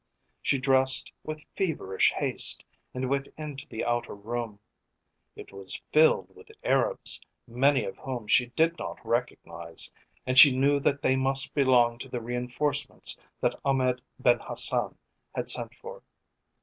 She dressed with feverish haste and went into the outer room. It was filled with Arabs, many of whom she did not recognise, and she knew that they must belong to the reinforcements that Ahmed Ben Hassan had sent for.